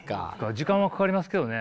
時間はかかりますけどね。